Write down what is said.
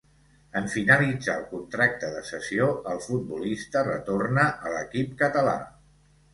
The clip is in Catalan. En finalitzar el contracte de cessió, el futbolista retorna a l'equip català.